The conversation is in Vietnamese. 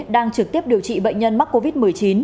đang trực tiếp điều trị bệnh nhân mắc covid một mươi chín